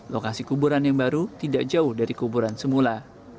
lokasi kuburan yang baru tidak jauh dari kuburan semula